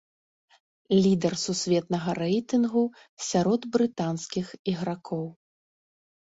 Лідар сусветнага рэйтынгу сярод брытанскіх ігракоў.